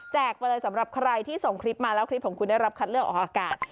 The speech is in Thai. ไปเลยสำหรับใครที่ส่งคลิปมาแล้วคลิปของคุณได้รับคัดเลือกออกอากาศ